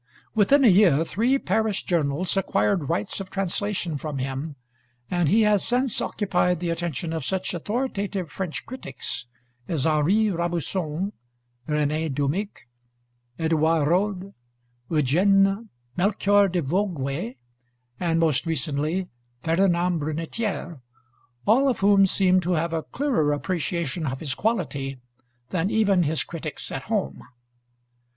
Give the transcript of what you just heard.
Within a year three Paris journals acquired rights of translation from him, and he has since occupied the attention of such authoritative French critics as Henri Rabusson, René Doumic, Edouard Rod, Eugène Melchior de Vogüé, and, most recently, Ferdinand Brunetière, all of whom seem to have a clearer appreciation of his quality than even his critics at home.